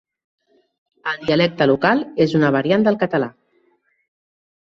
El dialecte local és una variant del català.